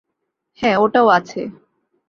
হ্যাঁ, ওটাও আছে।